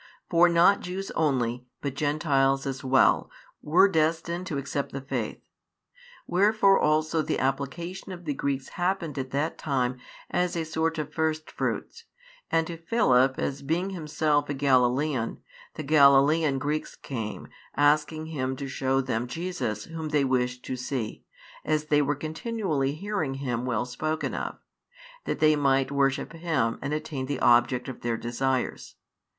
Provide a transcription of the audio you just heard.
For not Jews only, but Gentiles as well, were destined to accept the faith. Wherefore also the application of the Greeks happened at that time as a sort of firstfruits; and to Philip as being himself a Galilean, the Galilean Greeks came, asking him to shew them Jesus Whom they wished to see, as they were continually hearing Him well spoken of; that they might worship Him and attain the object of their desires.